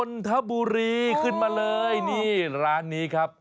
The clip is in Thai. นนทบุรีขึ้นมาเลยนี่ร้านนี้ครับ